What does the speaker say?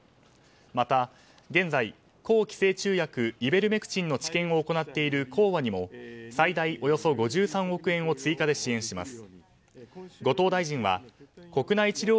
また現在、抗寄生虫薬イベルメクチンの治験を行っている興和にも最大およそ５３億円を追加で支援します。